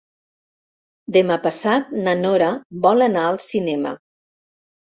Demà passat na Nora vol anar al cinema.